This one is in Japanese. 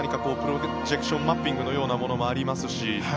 プロジェクションマッピングのようなものもありますし